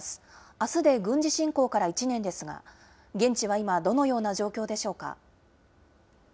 あすで軍事侵攻から１年ですが、現地は今、どのような状況でしょうか。